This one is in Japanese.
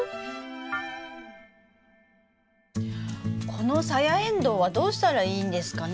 このサヤエンドウはどうしたらいいんですかね？